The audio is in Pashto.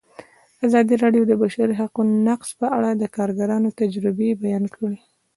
ازادي راډیو د د بشري حقونو نقض په اړه د کارګرانو تجربې بیان کړي.